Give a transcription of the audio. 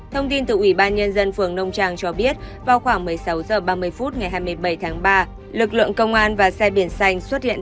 thông tin từ ủy ban nhân dân phường nông trang cho biết vào khoảng một mươi sáu h ba mươi phút ngày hai mươi bảy tháng ba lực lượng công an và xe biển xanh xuất hiện